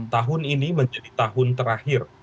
tahun ini menjadi tahun terakhir